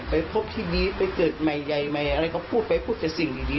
ไปพบที่ดีไปเกิดใหม่ใหญ่ใหม่อะไรก็พูดไปพูดแต่สิ่งดี